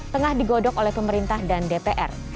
tengah digodok oleh pemerintah dan dpr